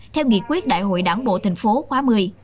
theo nghị quyết đại hội đảng bộ thành phố khóa một mươi